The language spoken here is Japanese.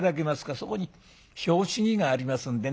そこに拍子木がありますんでね